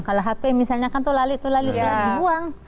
kalau hp misalnya itu lalit itu lalit dibuang